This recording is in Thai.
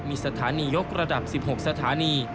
มีสถานียกระดับ๑๖สถานี